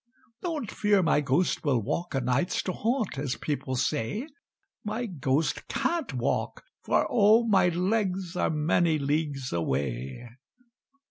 "Don't fear my ghost will walk o' nights To haunt, as people say; My ghost can't walk, for, oh! my legs Are many leagues away!